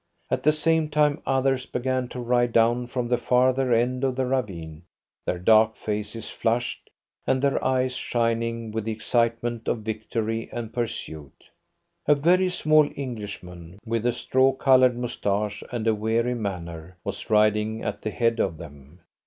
At the same time others began to ride down from the farther end of the ravine, their dark faces flushed and their eyes shining with the excitement of victory and pursuit. A very small Englishman, with a straw coloured moustache and a weary manner, was riding at the head of them.